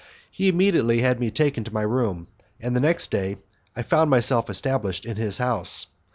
He immediately had me taken to my room, and, the next day, I found myself established in his house.